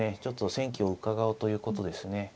ちょっと戦機をうかがうということですね。